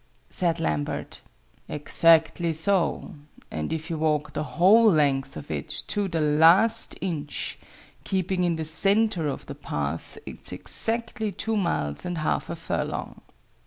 said Lambert. "Exactly so. And if you walk the whole length of it, to the last inch, keeping in the centre of the path, it's exactly two miles and half a furlong.